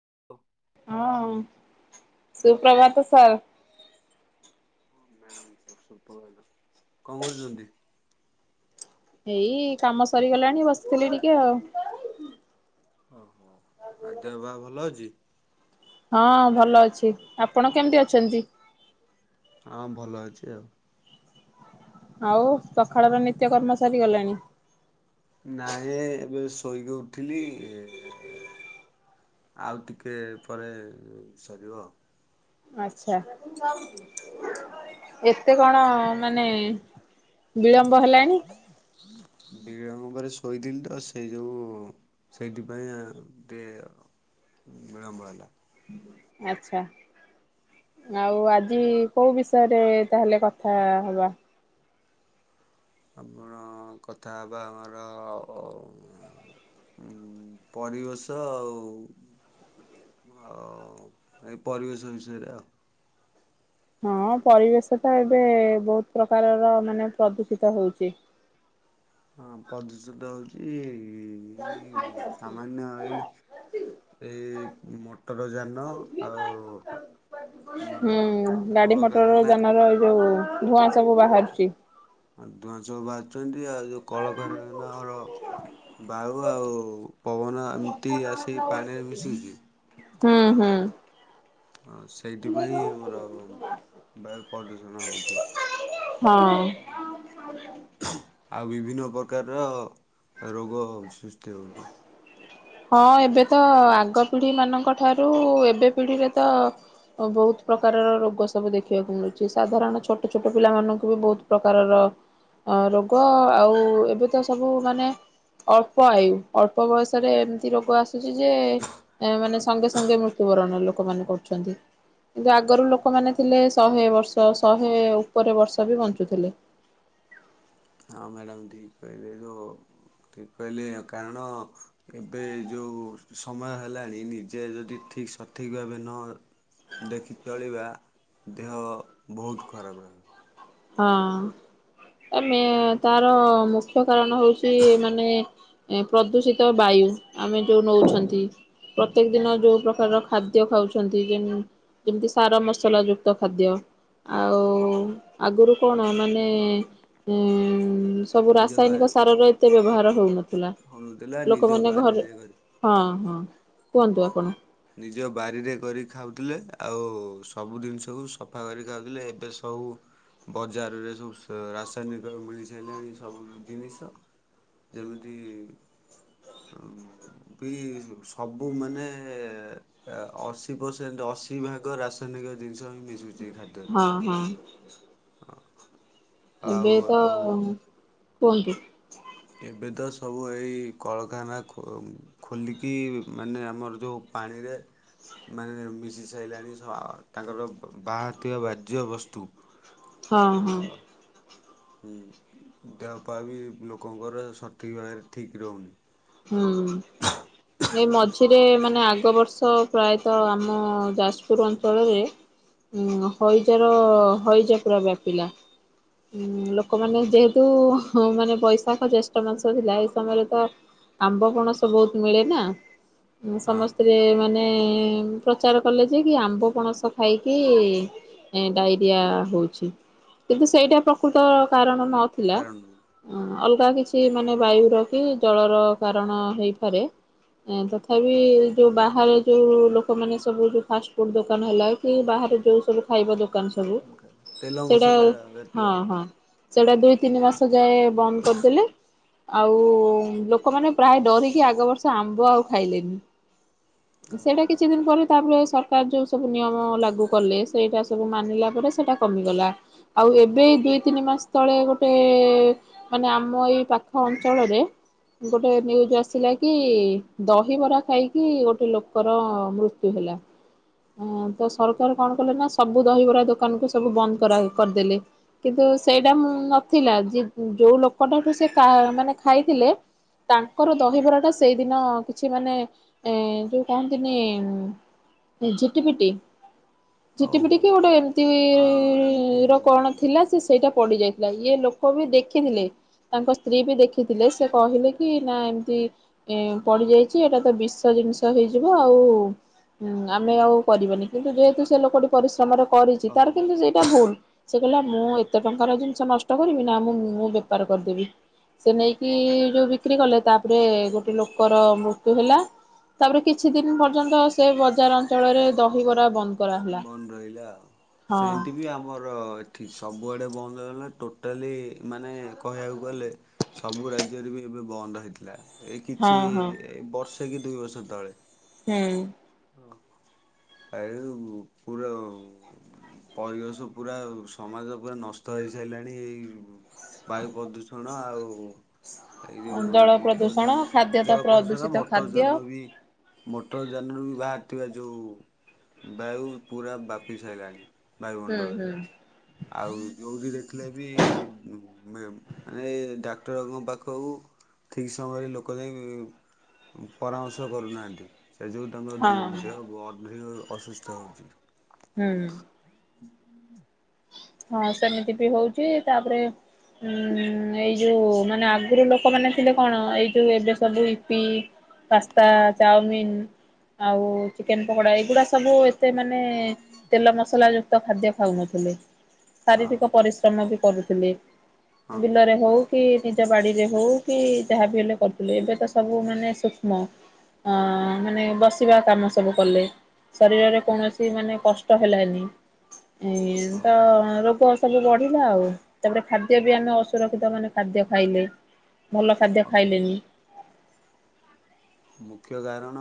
[inaudible] ହ ଉ ସୁପ୍ରଭାତ ସାର୍। ହଁ- ମ୍ୟାଡାମ୍ [unintelligible] କଣ କରୁଚନ୍ତି? ଏଇ କାମ ସରିଗଲାଣି ବସିଥିଲି ଟିକେ ଆଉ। ଓହୋ ଆ-ଦେହ ପା ଭଲ ଅଛି? ହଁ ଭଲ ଅଛି। ଆପଣ କେମିତି ଅଛନ୍ତି? ହଁ ଭଲ ଅଛି ଆଉ। ଆଉ ସଖାଳର ନିତ୍ୟ କର୍ମ ସରିଗଲାଣି? ନାଇଁ ଏବେ ଶୋଇକି ଉଠିଲି ଏ ଆଉ ଟିକଏ ପରେ ସରିବ। ଆଛା ଏତେ କଣ ମାନେ ବିଳମ୍ବ ହେଲାଣି। ବିଳମ୍ବ ବଲେ ଶୋଇଥିଲି ତ ସେଇ ଯୋଗୁ ସେଇଥିପାଇଁ ଆଁ- ଟିକେ ବିଳମ୍ବ ହେଲା। ଆଚ୍ଛା। ଆଉ ଆଜି କଉ ବିଷୟରେ ତାହେଲେ କଥା ହବା? ଆପଣ କଥା ହବା ଆମର ପରିବେଶ ଆଉ ଆଉ ଏଇ ପରିବେଶ ବିଷୟରେ ଆଉ। ହଁ ପରିବେଶ ଟା ଏବେ ବହୁତ୍ ପ୍ରକାରର ମାନେ ପ୍ରଦୂଷିତ ହଉଚି। ହଁ ପ୍ରଦୂଷିତ ହଉଚି ସାମାନ୍ୟ ଏଇ ଏଇ ମଟର ଯାନ ଆଉ ଉଁ-କଳକାରନା ଏରା ଯଉ ଧୂଆଁ ସବୁ ବାହାରୁଚି। ଆ- ଧୁଆଁ ସବୁ ବାହାରୁଚନ୍ତି ଆଉ ଯଉ କଳକାରଖାନା ରେ ଆମର ବାଉ ଆଉ ପବନ ଏମିତି ଆସି ପାଣିରେ ମିଶିକି ହୁଁ -ହୁଁ। ହଁ- ସେଇଥିପାଇଁ ଆମର ବାୟୁ ପ୍ରଦୂଷଣ ହଉଚି। ହଁ। ଆଉ ବିଭିନ୍ନ ପ୍ରକାରର ରୋଗ ସୃଷ୍ଟି ହଉଚି। ହଁ ଏବେ ତ ଆଗ ପିଢି ମାନଙ୍କ ଠାରୁ ଏବେ ପିଢିରେ ତ ବହୁତ୍ ପ୍ରକାରର ରୋଗ ସବୁ ଦେଖିବାକୁ ମିଳୁଚି ସାଧାରଣ ଛୋଟ ଛୋଟ ପିଲାମାନଙ୍କୁ ବି ବହୁତ୍ ପ୍ରକାରର ରୋଗ ଆଉ ଏବେ ତ ସବୁ ମାନେ ଅଳ୍ପ ଆୟୁ ଅଳ୍ପ ବୟସରେ ଏମିତି ରୋଗ ଆସୁଚି ଯେ ଏ ମାନେ ସଙ୍ଗେ ସଙ୍ଗେ ମୃତ୍ୟୁବରଣ ଲୋକମାନେେ କରୁଛନ୍ତି। କିନ୍ତୁ ଆଗରୁ ଲୋକମାନେ ଥିଲେ ଶହେ ବର୍ଷ ଶହେ ଉପରେ ବର୍ଷ ବି ବଞ୍ଚୁଥିଲେ। ହଁ ମ୍ୟାଡ଼ାମ୍ ଠିକ୍ କହିଲେରେ। ଠିକ କହିଲେ କାରଣ ଏବେ ଯୋଉ ସମୟ ହେଲାଣି ନିଜେ ଯଦି ଠିକ ସ ଠିକ୍ ଭାବେ ନ ଦେଖି ଚଳିବା ଦେହ ବହୁତ ଖରାପ ରହିବ। ହଁ ଆମେ ତାର ମୁଖ୍ୟ କାରଣ ହଉଛି ମାନେ ଏ ପ୍ରଦୂଷିତ ବାୟୁ ଆମେ ଯୋଉ ନଉଛନ୍ତି। ପ୍ରତ୍ୟେକ ଦିନ ଯୋଉ ପ୍ରକାରର ଖାଦ୍ୟ ଖାଉଛନ୍ତି ଯେମି ଯେମିତି ସାର ମସଲା ଯୁକ୍ତ ଖାଦ୍ୟ। ଆଉ ଛାଡନ୍ତୁ। ଆଗରୁ କଣ ମାନେ ସବୁ ନିଜ ବାରି ରାସାୟନିକ ସାରରେ ଏତେ ବ୍ୟବହାର ହଉନଥିଲା ହଣୁଥିଲା ନିଜ ଲୋକମାନେ ଘରେ ବାରିରେ କରି ହଁ ହଁ କୁହନ୍ତୁ ଆପଣ? ନିଜ ବାରିରେ କରି ଖାଉଥିଲେ ଆଉ ସବୁ ଜିନିଷକୁ ସଫା କରି ଖାଉଥିଲେ ଏବେ ସବୁ ବଜାରରେ ସବୁ ରାସାୟନିକ ମିଳି ସାରିଲାଣି ସବୁ ଜିନିଷ। ଯେମିତି ବି ସବୁ ଉ ମାନେ ଅଶୀ ପରସେଣ୍ଟ ଅଶି ଭାଗ ରାସାୟନିକ ଜିନିଷ ହିଁ ମିଶୁଛି। ହଁ ହଁ। ହଁ ଏବେ ଆଉ ତ ଆଉ। କୁହନ୍ତୁ? ଏବେ ତ ସବୁ ଏଇ କଳଖାନା ଖୋ ଖୋଲିକି ମାନେ ଆମର ଯୋଉ ପାଣିରେ ମାନେ ମିଶି ସାରିଲାଣି ତାଙ୍କର ବାହାରୁଥିବା ବାଜ୍ୟ ବସ୍ତୁ। [inaudible] ହଁ ହଁ। ଆଉ ହୁଁ ଦେହପା ବି ଲୋକଙ୍କର ସଠିକ୍ ଭାବରେ ଠିକ୍ ରହୁନି। ହୁଁ। ଏ ମଝିରେ ମାନେ ଆଗବର୍ଷ ପ୍ରାୟତଃ ଆମ ଯାଜପୁର ଅଞ୍ଚଳରେ ଉଁ ହଇଜ ର ହଇଜା ପୁରା ବ୍ୟାପିଲା। ଉଁ ଲୋକମାନେ ଯେହେତୁ ମାନେ ବୈଶାଖ ଜ୍ୟେଷ୍ଠ ମାସ ହେଲା ଏଇ ସମୟରେ ତ ଆମ୍ବ ପଣସ ବୋହୁତ ମିଳେ ନା ଆ ସମସ୍ତେ ମାନେ ପ୍ରଚାର କଲେ ଯେ କି ଆମ୍ବ ପଣସ ଖାଇକି ଏ ଡାଇରିଆ ହେଉଛି କିନ୍ତୁ ସେଇଟା ପ୍ରକୃତ କାରଣ ନଥିଲା। କାରଣ ହଁ ଅଲଗା କିଛି ମାନେ ବାୟୁ ର କି ଜଳର କାରଣ ହେଇପାରେ। ତଥାପି ଯୋଉ ବାହାରେ ଯୋଉ ଲୋକମାନେ ସବୁ ଯୋଉ ଫାଷ୍ଟଫୁଡ଼୍ ଦୋକାନ ହେଲା କି ବାହାରେ ଯୋଉ ସବୁ ଖାଇବା ଦୋକାନ ସବୁ ତେଲ ସେଇଟା ମସଲା ଜାତୀୟ। ହଁ ହଁ। ସେଇଟା ଦୁଇ ତିନି ମାସେ ଯାଏ ବନ୍ଦ କରିଥିଲେ ଆଉ ଲୋକ ଲୋକମାନେ ପ୍ରାୟ ଡରିକି ଆଗ ବର୍ଷ ଆମ୍ବ ଆଉ ଖାଇଲେନି। ସେଇଟା ଓହୋ କିଛି ଦିନ ପରେ ତାପରେ ସର ଶରକାର ଯୋଉ ସବୁ ନିୟମ ଲାଗୁ କଲେ ସେଇଟା ସବୁ ମାନିଲା ପରେ ସେଇଟା କମିଗଲା। ଆଉ ଏବେ ଦୁଇ ତିନି ମାସ ତଳେ ଗୋଟେ ମାନେ ଆମ ଏଇ ପାଖ ଅଞ୍ଚଳରେ ଗୋଟେ ନ୍ୟୁଜ୍ ଆସିଲା କି ଦହିବରା ଖାଇକି ଗୋଟେ ଲୋକର ମୃତ୍ୟୁ ହେଲା ତ ସରକାର କଣ କଲେ ନା ସବୁ ଦହିବରା ଦୋକାନକୁ ସବୁ ବନ୍ଦ କରା କରିଦେଲେ। କିନ୍ତୁ ସେଇଟା ନଥିଲା ଯେ ଯୋଉ ଲୋକଟାଠୁ ସେ କା ମାନେ ଖାଇଥିଲେ ତାଙ୍କର ଆଜ୍ଞା। ଦହିବରା ଟା ସେଇଦିନ କିଛି ମାନେ ଏ ଯୋଉ କହନ୍ତିନି ଝିଟି ପିଟି ଝିଟି ପିଟି ଓହୋ କି ଗୋଟେ ଏମିତି ହଁ ଏମିତି ର କଣ ଥିଲା ସେ ସେଇଟା ପଡି ଯାଇଥିଲା ଇଏ ଲୋକ ବି ଦେଖିଥିଲେ ତାଙ୍କ ସ୍ତ୍ରୀ ବି ଦେଖିଥିଲେ ସେ କହିଲେ କି ନା ଏମିତି ଏ ପଡି ଯାଇଚି ଏଇଟା ତ ବିଷ ଜିନିଷ ହେଇଯିବ ଆଉ ହୁଁ ଆମେ ଆଉ କରିବନି କିନ୍ତୁ ଯେହେତୁ ସେ ଲୋକଟି ପରିଶ୍ରମରେ କରିଚି ତାର ଓହୋ କିନ୍ତୁ ସେଇଟା ଭୁଲ ସେ କହିଲା ମୁଁ ହଁ। ଏତେ ଟଙ୍କାର ଜିନିଷ ନଷ୍ଟ କରିବି। ନା ମୁଁ ମୁଁ ବେପାର କରିଦେବି ସେ ନେଇକି ଯୋଉ ବିକ୍ରି କଲେ ତାପରେ ଗୋଟେ ଲୋକର ମୃତ୍ୟୁ ହେଲା। ତାପରେ କିଛି ଦିନି ପର୍ଯ୍ୟନ୍ତ ସେ ବଜାର ଅଞ୍ଚଳରେ ଦହିିବରା ବନ୍ଦ। କରାହେଲା ବନ୍ଦ ରହିଲା ଆଉ ହଁ ସେମିତି ବି ଆମର ଏଠି ସବୁଆଡ଼େ ବନ୍ଦ ହେଇଗଲା। ଟୋଟାଲି ମାନେ କହିବାକୁ ଗଲେ ସବୁ ରାଜ୍ୟରେ ବି ଏବେ ବନ୍ଦ ହେଇଥିଲା। ଏଇ ହଁ କିଛି ହଁ ଏ ବର୍ଷେ କି ଦୁଇ ବର୍ଷ ତଳେ। ହୁଁ। ହଁ [unintelligible] ପୁରା। ପରିବେଶ ପୁରା ସମାଜ ପୁରା ନଷ୍ଟ ହେଇସାରିଲାଣି ଏଇ ବାୟୁ ପ୍ରଦୂଷଣ ଆଉ ଏଇ ହୁଁ ଯୋଉ ଜଳ ମଟର ପ୍ରଦୂଷଣ ଯାନ। ଖାଦ୍ୟ ତ ଜଳ ପରିସ୍କାର ପ୍ରଦୂଷିତ ମଟର ଖାଦ୍ୟ ଯାନ ବି ମଟର ଯାନରୁ ବାହାରିଥିବା ଯୋଉ ବାୟୁ ପୁରା ବାପି ସାଇଲାଣି। ହୁଁ ହୁଁ ବାୟୁମଣ୍ଡଳରେ ଆଉ ଯୋଉଠି ଦେଖିଲେ ବି ମି-ମିଳେ। ମାନେ ଡାକ୍ତରବାବୁଙ୍କ ପାଖକୁ ଠିକ୍ ସମୟରେ ଲୋକ ଯାଇଁ ପରାମର୍ଶ କରୁନାହାଁନ୍ତି ସେ ଯୋଗୁଁ ତାଙ୍କ ଦୁ ହଁ ଦେହ ଗଭୀର ଅସୁସ୍ଥ ହଉଚି। ହୁଁ। ହଁ ସେମିତି ବି ହଉଚି ତା, ପରେ ହୁଁ ଏଇ ଯୋଉ ମାନେ ଆଗୁରୁ ଲୋକମାନେ ଥିଲେ କଣ ଏଇ ଯୋଉ ଏବେ ସବୁ ଇପି ପାସ୍ତା ଚାଉମିନ୍ ଆଉ ଚିକେନ୍ ପକୋଡା ଏଇଗୁଡା ସବୁ ଏତେ ମାନେ ତେଲ ମସଲା ଯୁକ୍ତ ଖାଦ୍ୟ ଖାଉନଥିଲେ। ଶାରୀରିକ ଓହୋ ପରିଶ୍ରମ ବି କରୁଥିଲେ ହଁ ବିଲରେ ହଉ କି ନିଜ ବାଡ଼ିରେ ହୋଉ କି ଯାହାବି ହେଲେ କରୁଥିଲେ ଏବେ ତ ସବୁ ମାନେ ସି ମ ଆ ମାନେ ବସିବା କାମ ସବୁ କଲେ। ଶରୀରରେ କୌଣସି ମାନେ କଷ୍ଟ ହେଲାନି। ଏଇ ତ ଓହୋ ରୋଗ ସବୁ ବଢ଼ିଲା ଆଉ। ତାପରେ ଖାଦ୍ୟ ବି ଆମେ ଅସୁରକ୍ଷିତ ମାନେ ଖାଦ୍ୟ ଖାଇଲେ। ଭଲ ଖାଦ୍ୟ ଅସୁ ଖାଇଲେନି। ମୁଖ୍ୟ କାରଣ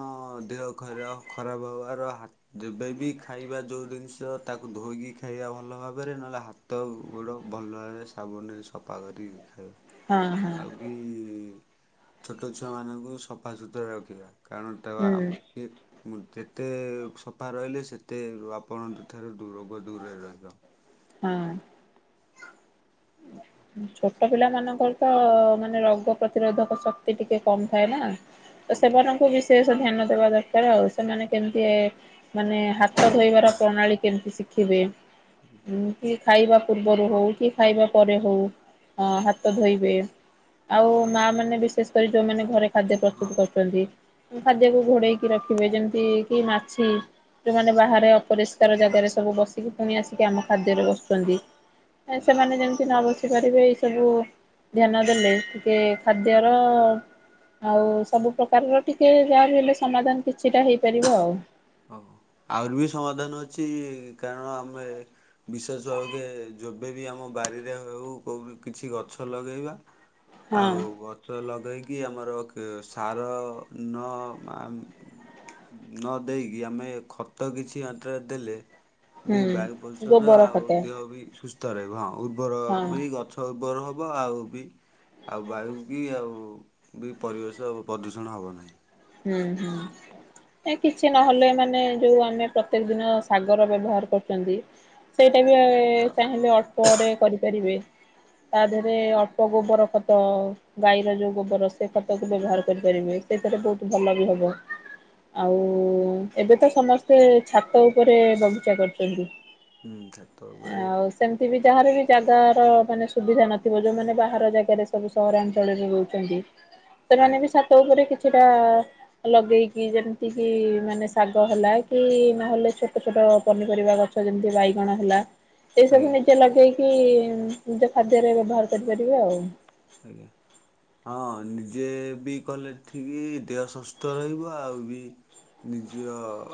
ଦେହ ଖର ଖରାପ ହବାର ହା ଯେବେବି ଖାଇବା ଯୋଉ ଜିନିଷ ତାକୁ ଧୋଇକି ଖାଇବା ଭଲ ଭାବରେ ନହେଲେ ହାତ ତ ଗୁଡ଼ ଭଲ ଭାବେ ସାବୁନିରେ ସଫା କରିକି ଖାଇବ। ହଁ ହଁ। ବି ଛୋଟ ଛୁଆମାନଙ୍କୁ ସଫା ସୁୁତୁରା ରଖିବା। କାଣଣ ତାକୁ ହୁଁ ଆବଶ୍ୟକ୍। ମୁଁ ଯେତେ ସଫା ରହିଲେ ସେତେ ଆପଣଙ୍କ ଠାରୁ ରୋଗ ଦୂରରେ ରହିବ। ହଁ। ହଁ। ଛୋଟ ପିଲା ମାନଙ୍କର ତ ମାନେ ରୋଗ ପ୍ରତିରୋଧକ ଶକ୍ତି ଟିକେ କମ୍ ଥାଏ ନାଁ। ତ କମ୍ ଥାଏ ସେମାନଙ୍କୁ ବିଶେଷ ଧ୍ୟାନ ଦେବା ଦରକାର ଆଉ ସେମାନେ କେମତି ଏ ମାନେ ହାତ ଧୋଇବାର ପ୍ରଣାଳୀ କେମତି ଶିଖିବେ। ଉଁ କି ଖାଇବା ପୂର୍ବରୁ ହୋଉ କି ଖାଇବା ପରେ ହୋଉ ହାତ ଅଁ ଧୋଇବେ। ଆଉ ମା ମାନେ ବିଶେଷ୍ କରି ଯୋଉମାନେ ଘରେ ଖାଦ୍ୟ ହଁ ପ୍ରସ୍ତୁତୁ କରୁଚନ୍ତି। ଖାଦ୍ୟକୁ ଘୋଡେଇକି ରଖିବେ ଯେମତି କି ମାଛି ଯୋଉମାନେ ବାହାରେ ଅ ପରିଷ୍କାର ଜାଗାରେ ସବୁ ଆଜ୍ଞା। ବସିକି ପୁଣି ଆସିକି ଆମ ଖାଦ୍ୟରେ ବସଚନ୍ତି। ସେମାନେ ଯେମିତି ନ ବସି ପାରିବେ ସବୁ ଧ୍ୟାନ ଦେଲେ ଟିକେ ଖାଦ୍ୟର। ଆଉ ସବୁ ପ୍ରକାରର ଟିକେ ଯାହା ବି ହେଲେ ସମାଧାନ୍ କିଛିଟା ହେଇପାରିବ ଆଉ। ଓହୋ ଆହୁରି ବି ସମାଧାନ ଅଛି କାରଣ ଆମେ। ବିଶେଷ ଭାବରେ ଯେବେବି ଆମ ବାରିରେ ହୋଉ କୋଉଠି କିଛି ଗଛ ଲଗେଇବା। ହ ହ। ହଁ ଆଉ ଗଛ ଲଗେଇକି ଆମର ଖି ସାର ନଁ ଆମ୍। ନ ଦେଇକି ଆମେ ଖତ କିଛି ମାତ୍ରାରେ ଦେଲେ। ବି ବାୟୁ ହୁଁ ପ୍ରଦୂଷଣ ଗୋବର ଆଉ ଖତ ଦେହ ବି ସୁସ୍ଥ ରହିବ ହଁ ଉର୍ବର ହଁ ବି ଗଛ। ହ ଉର୍ବର ହବ ଆଉ ବି। ଆଉ ବାୟୁ କି ଆଉ ବି ପରିବେଶ ପ୍ରଦ୍ୟୁଷଣ ହବ ନାହିଁ। ହୁଁ ହୁଁ ଏ କିଛି ନହେଲେ ମାନେ ଯୋଉ ଆମେ ପ ପ୍ରତ୍ୟେକ ଦିନ ଶାଗର ବ୍ୟବହାର କରୁଚନ୍ତି ସେଇଟା ବି ଏଇ ଚାହିଁବେ ଅ ଳ୍ପ ପରେ କରିପାରିବେ ତା ଦେହରେ ଅଳ୍ପ ଗୋବର ଖତ। ଗାଈର ଯୋଉ ଗୋବର ସେ ଖତକୁ ବ୍ୟବହାର କରିପାରିବେ ସେଥିରେ ବହୁତ୍ ଭଲ ବି ହବ। ଆଉ ଏବେ ତ ସମସ୍ତେ ଛାତ ଉପରେ ବଗିଚା କରୁଚନ୍ତି। ହୁଁ ଛାତ ଉପରେ। ସେମିତି ବି ଯାହାର ବି ଜାଗାର ମାନେ ସୁବିଧା ନଥିବ ଯୋଉମାନେ ବାହାର ଜାଗାରେ ସବୁ ସହରାଞ୍ଚଳରେ ରହୁଚନ୍ତି। [unintelligible] ସେମାନେ ବି ଛାତ ଉପରେ କିଛିଟା। ଲଗେଇକି ଯେମତି କି ମାନେ ଶାଗ ହେଲା କି ନହଲେ ଛୋଟ ଛୋଟ ପନିପରିବା ଗ ଛ ଯେମତି ବାଇଗଣ ହେଲା। ଏ ସବୁ ଆଜ୍ଞା। ନିଜେ ଲଗେଇକି ନିଜ ଖାଦ୍ୟରେ ବ୍ୟବହାର କରିପାରିବେ ଆଉ। ଆଜ୍ଞା। ହଁ ନିଜେ ବି କଲେ ଠିକି ଦେହ ସୁସ୍ଥ ରହିବ ଆଉ ବି। ନିଜ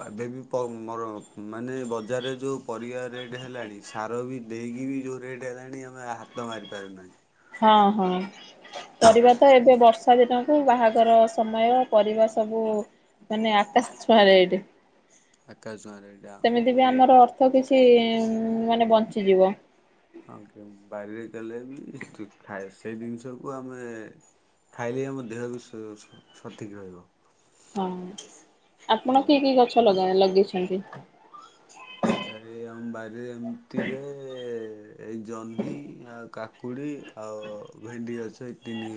ଏବେ ବି ପ ମ ମାନେ ବଜାରରେ ଯୋଉ ପରିବା ରେଟ୍ ହେଲାଣି। ସାର ବି ଦେଇକି ବି ଯୋଉ ରେଟ୍ ହେଲାଣି ଆମେ ହାତ ମାରିପାରୁନାହିଁ। ହଁ ହଁ ପରିବା ତ ଏବେ ବର୍ଷ ର୍ଷା ଦିନକୁ ବାହାଘର ସମୟ ପରିବା ସବୁ। ମାନେ ଆକାଶ୍ ଛୁଆଁ ରେଟେ। ଆକାଶ ଛୁଆଁ ରେଟ୍ ଆଉ। ସେମିତି ବି ଠିକ୍ କଥା ଆମର ଅର୍ଥ କିଛି ମାନେ ବଞ୍ଚିଯିବ। ହଁ କେ ବାରିରେ ଦେଲେ ବି ଯୁ ଖାଏ ସେ ଜିନିଷକୁ ଆମେ। ଖାଇଲେ ଆମ ଦେହ ବି ସ ସ ସଠିକ୍ ରହିବ। ହଁ ଆପଣ କି କି ଗଛ ଲଗା ଲଗେଇଛନ୍ତି? ଏ ଆରେ ବାରିରେ ଏମତିରେ ଏଇ ଜହ୍ନି ଆଉ କା କୁଡ଼ି ଆଉ ଭେଣ୍ଡି ଗଛ ଏଇ ତିନି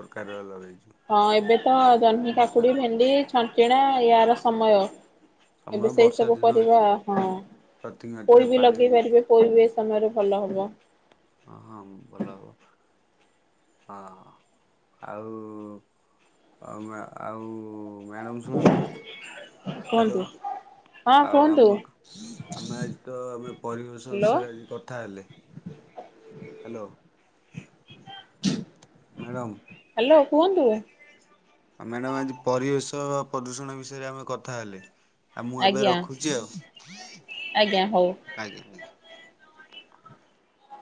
ପ୍ରକାରର ଲଗେଇଛୁ। ହଁ ଏବେ ତ ଜହ୍ନି ବର୍ଷା କାକୁଡ଼ି ଭେଣ୍ଡି ଛଣ୍ଟିଣା ଏହାର ସମୟ। ସମୟ ଏବେ ସେଇ ବର୍ଷା ସବୁ ଦିନ ପରିବା ଅଛି ହଁ ପ୍ରତି ମାଟିରେ ପୋଇ ବି ପାଣି ଲଗେଇ ପାରିବେ। ପୋଇ ବି ଏ ସମୟରେ ଭଲ ହେବ। ହଁ ହଁ ଭଲ ହବ ହଁ ଆଉ ଆଉ ମା ଆଉ ମ୍ୟାଡ଼ମ୍ ଶୁଣନ୍ତୁ। ହ୍ୟାଲୋ କୁହନ୍ତୁ। ହଁ ଆଉ କୁହନ୍ତୁ ଆମ ଆମେ ଆଜି ତ ଆମେ ପରିବେଶ ହ୍ୟାଲୋ ବିଷୟରେ ଆଜି କଥା ହେଲେ। ହ୍ୟାଲୋ। ମ୍ୟାଡ଼ାମ। ହ୍ୟାଲୋ କୁହନ୍ତୁ। ଆମେ ମ୍ୟାଡାମ ଆଜି ପରିବେଶ ପ୍ରଦୂଷଣ ବିଷୟରେ ଆମେ କଥା ହେଲେ। ଆ ମୁଁ ଏବେ ଆଜ୍ଞା ରଖୁଛି ଆଉ ଆଜ୍ଞା ଆଜ୍ଞା।